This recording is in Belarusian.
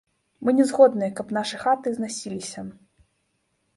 Мы не згодныя, каб нашы хаты зносіліся.